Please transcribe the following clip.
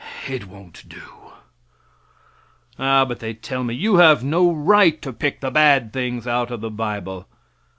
It won't do. Ah, but they tell me "You have no right to pick the bad things out of the bible."